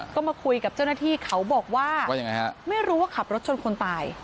ก็มาคุยกับเจ้าหน้าที่เขาบอกว่ายังไงฮะไม่รู้ว่าขับรถชนคนตาย